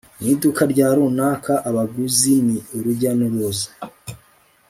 mu iduka rya runaka, abaguzi ni urujya n'uruza